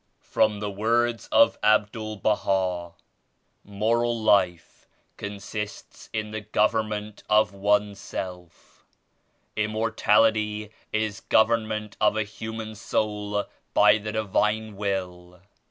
From the Words of Abdul Baha "Moral life consists in the government of one's self. Immortality is government of a human soul by the Divine Will."